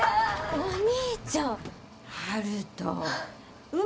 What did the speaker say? お兄ちゃん！